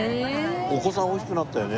お子さん大きくなったよね？